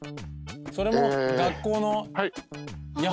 それも学校の？